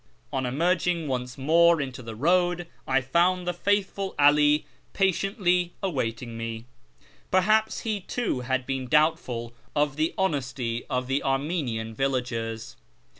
(^ii emerging once more into the road I found the faitliful 'Ah' patiently awaiting me. Terliaps he too had been doubtful of the honesty of the Armenian villagers.